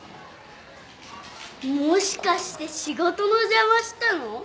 もしかして仕事の邪魔したの？